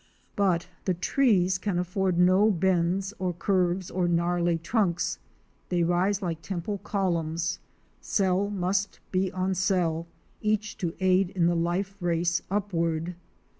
But the trees can afford no bends or curves or gnarly trunks; they rise like temple columns. Cell must be on cell, each to aid in the life race upward.